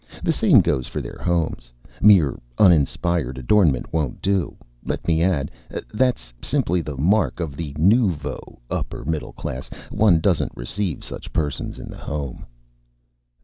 The same goes for their homes. Mere uninspired adornment won't do, let me add. That's simply the mark of the nouveau upper middle class. One doesn't receive such persons in the home."